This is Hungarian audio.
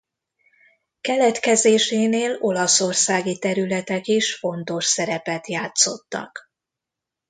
Keletkezésénél olaszországi területek is fontos szerepet játszottak.